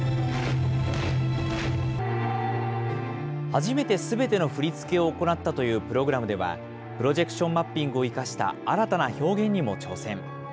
初めてすべての振り付けを行ったというプログラムでは、プロジェクションマッピングを生かした新たな表現にも挑戦。